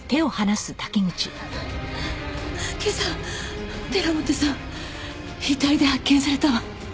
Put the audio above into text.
今朝寺本さん遺体で発見されたわ。